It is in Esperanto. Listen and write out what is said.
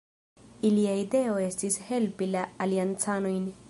Ilia ideo estis helpi la Aliancanojn.